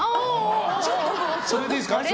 それでいいですか？